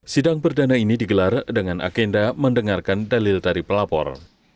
sidang perdana ini digelar dengan agenda mendengarkan dalil dari pelapor